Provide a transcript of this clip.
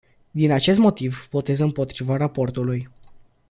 Din acest motiv, votez împotriva raportului.